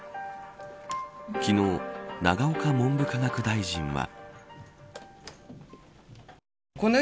昨日、永岡文部科学大臣は。